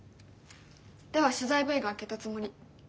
では取材Ｖが明けたつもり。